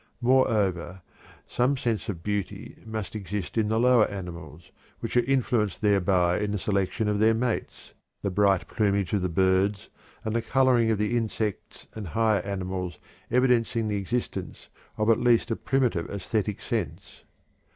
Moreover, some sense of beauty must exist in the lower animals, which are influenced thereby in the selection of their mates, the bright plumage of the birds, and the coloring of the insects and higher animals evidencing the existence of at least a primitive æsthetic sense.